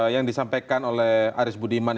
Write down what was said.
yang disampaikan oleh aris budiman